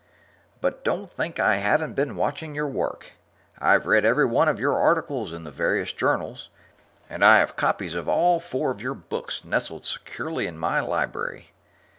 But don't think I haven't been watching your work. I've read every one of your articles in the various journals, and I have copies of all four of your books nestled securely in my library.